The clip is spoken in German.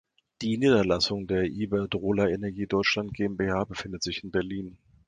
Die Niederlassung der Iberdrola Energie Deutschland GmbH befindet sich in Berlin.